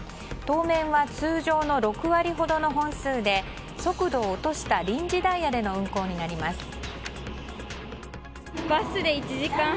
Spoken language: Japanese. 当面は通常の６割ほどの本数で速度を落とした臨時ダイヤでの運行になります。